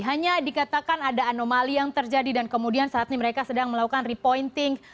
hanya dikatakan ada anomali yang terjadi dan kemudian saat ini mereka sedang melakukan repointing